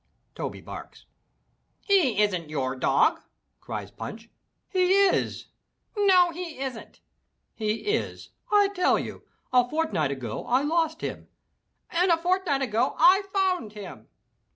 Toby barks. "He isn't your dog!" cries Punch. "He is!" "No, he isn't." "He is, I tell you! A fortnight ago I lost him!" "And a fortnight ago I found him!"